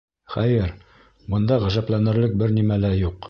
Хәйер, бында ғәжәпләнерлек бер нимә лә юҡ.